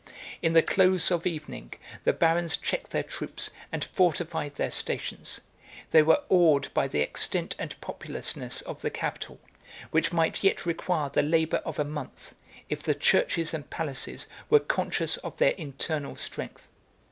83 In the close of evening, the barons checked their troops, and fortified their stations: They were awed by the extent and populousness of the capital, which might yet require the labor of a month, if the churches and palaces were conscious of their internal strength.